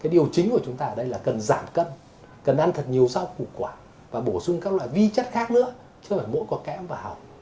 điều chính của chúng ta ở đây là cần giảm cân cần ăn thật nhiều rau củ quả và bổ sung các loại vi chất khác nữa chứ không phải mẫu có kẽm và hỏng